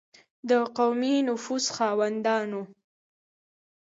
د قومي نفوذ خاوندانو.